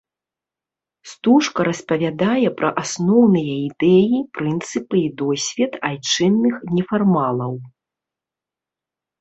Стужка распавядае пра асноўныя ідэі, прынцыпы і досвед айчынных нефармалаў.